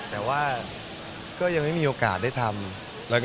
แต่ว่าก็ยังไม่มีโอกาสได้ทำ